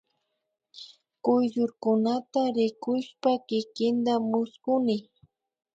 Kuyllurkunata rikushpa kikinta mushkuni